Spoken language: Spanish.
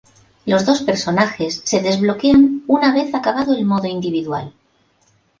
Los dos personajes se desbloquean una vez acabado el Modo Individual.